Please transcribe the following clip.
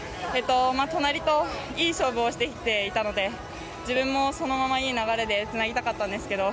隣といい勝負をしてきていたので自分も、そのままいい流れでつなぎたかったんですけど。